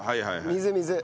水水。